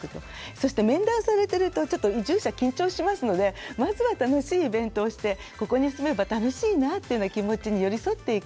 そして面談されてるとちょっと移住者緊張しますのでまずは楽しいイベントをしてここに住めば楽しいなというような気持ちに寄り添っていく。